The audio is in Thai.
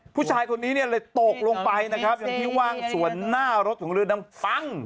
ผู้ชายคนนี้เนี่ยเลยตกลงไปนะครับอย่างที่ว่างส่วนหน้ารถของเรือดำปั้ง